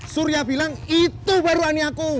surya bilang itu baru ani aku